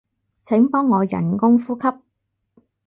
請幫我人工呼吸